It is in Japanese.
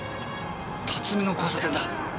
辰巳の交差点だ。